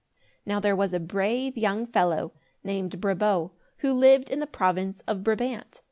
Now there was a brave young fellow named Brabo, who lived in the province of Brabant.